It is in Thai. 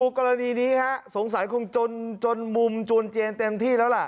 กรณีนี้ฮะสงสัยคงจนมุมจวนเจียนเต็มที่แล้วล่ะ